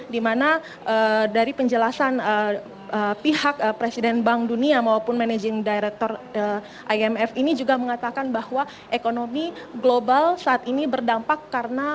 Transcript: dimana dari penjelasan pihak presiden bank dunia maupun managing director imf ini juga mengatakan bahwa ekonomi global saat ini berdampak karena